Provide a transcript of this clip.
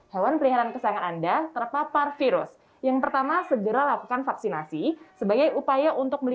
hewan perihalan kasih anda terpapar virus yang pertama segera lakukan vaksinasi sebagai upaya